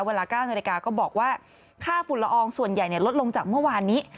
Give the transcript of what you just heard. เวลา๙นาฬิกาก็บอกว่าค่าฝุ่นละอองส่วนใหญ่ลดลงจากเมื่อวานนี้